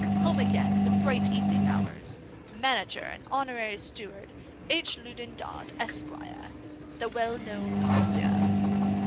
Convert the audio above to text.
Home again in the Bright Evening Hours. Manager and Honorary Steward, H. Loudon Dodd, Esq., the well known connoisseur.'"